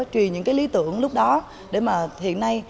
truyền những cái lý tưởng lúc đó để mà hiện nay